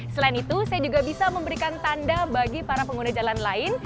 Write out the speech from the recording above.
selain itu saya juga bisa memberikan tanda bagi para pengguna jalan lain